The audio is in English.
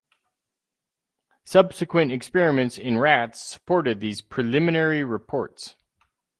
Subsequent experiments in rats supported these preliminary reports.